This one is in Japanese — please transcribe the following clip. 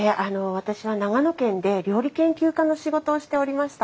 私は長野県で料理研究家の仕事をしておりました。